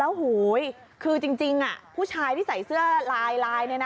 แล้วโหยคือจริงผู้ชายที่ใส่เสื้อลายนี่นะคะ